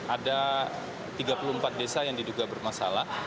ada tiga puluh empat desa yang diduga bermasalah